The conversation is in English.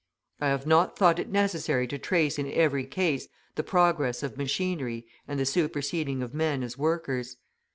I have not thought it necessary to trace in every case the progress of machinery and the superseding of men as workers.